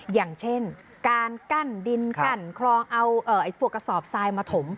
อย่างเช่นการกั้นดินกั้นคลองเอาพวกกระสอบทรายมาถม